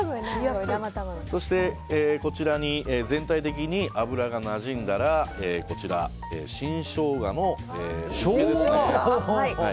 そして、こちらに全体的に脂がなじんだら新ショウガの酢漬けですね。